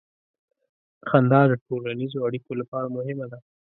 • خندا د ټولنیزو اړیکو لپاره مهمه ده.